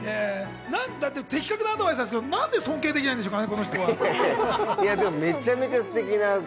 的確なアドバイスですけど、何で尊敬できないんでしょうかね？